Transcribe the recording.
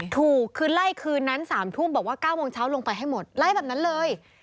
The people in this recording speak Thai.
ถูกคือไล่คืนนั้น๓ทุ่มบอกว่า๙โมงเช้าลงไปให้หมดไล่แบบนั้นเลย